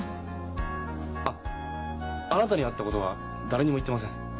あっあなたに会ったことは誰にも言ってません。